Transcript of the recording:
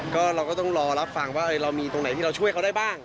ก็เราก็ต้องรอรับฟังว่าเรามีตรงไหนที่เราช่วยเขาได้บ้าง